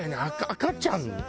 赤ちゃん。